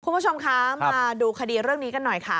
คุณผู้ชมคะมาดูคดีเรื่องนี้กันหน่อยค่ะ